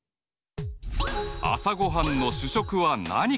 朝ごはんの主食は何か？